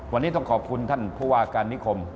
วันนี้ต้องขอบคุณท่านผู้ว่าการนิคม